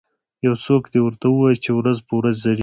یو څوک دې ورته ووایي چې ورځ په ورځ زړیږي